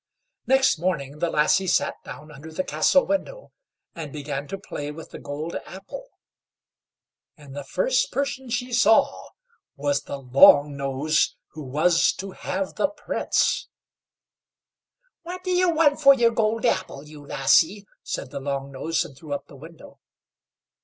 Next morning the lassie sat down under the castle window, and began to play with the gold apple; and the first person she saw was the Long nose who was to have the Prince. "What do you want for your gold apple, you lassie?" said the Long nose, and threw up the window.